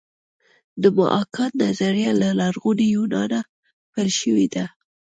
د محاکات نظریه له لرغوني یونانه پیل شوې ده